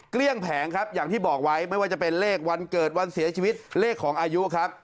เกลี้ยงแผงครับอย่างที่บอกไว้ไม่ว่าจะเป็นเลขวันเกิดวันเสียชีวิตเลขของอายุครับ